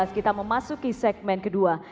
kita memasuki segmen kedua